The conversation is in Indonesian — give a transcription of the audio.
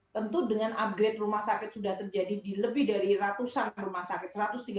dua ribu dua puluh satu tentu dengan upgrade rumah sakit sudah terjadi di lebih dari ratusan rumah sakit